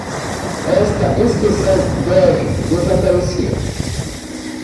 Esta inscrição deve desaparecer!